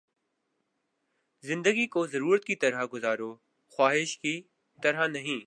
زندگی کو ضرورت کی طرح گزارو، خواہش کی طرح نہیں